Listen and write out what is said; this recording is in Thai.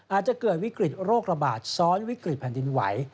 อาจจะเกิดวิกฤตโรคระบาดซ้อนวิกฤตแผ่นดินไหว